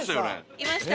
いました。